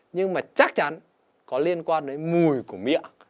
nhưng mà chắc chắn có liên quan đến mùi của mía